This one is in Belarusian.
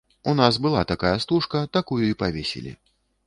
У нас была такая стужка, такую і павесілі.